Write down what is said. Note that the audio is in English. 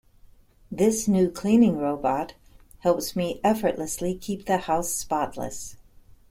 This new cleaning robot helps me effortlessly keep the house spotless.